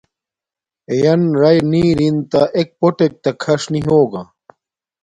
اݵیَن رَئی نݵ رِن تݳ اݵک پݸٹݵک تݳ کھَݽ نݵ ہݸگݳ.